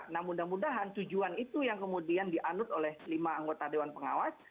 nah mudah mudahan tujuan itu yang kemudian dianut oleh lima anggota dewan pengawas